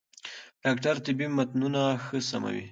ډاکټر طبي متنونه ښه سموي.